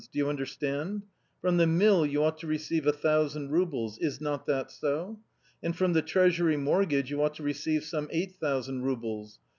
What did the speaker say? Do you understand? From the mill you ought to receive 1000 roubles. Is not that so? And from the Treasury mortgage you ought to receive some 8000 roubles.